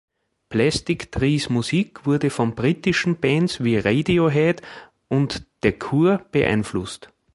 Plastic Trees Musik wurde von britischen Bands wie Radiohead und The Cure beeinflusst.